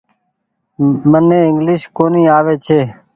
مني انگليش ڪونيٚ آوي ڇي۔